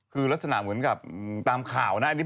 เขาชอบพี่